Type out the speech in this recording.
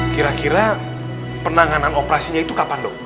kira kira penanganan operasinya itu kapan dok